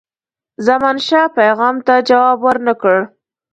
زمانشاه پیغام ته جواب ورنه کړ.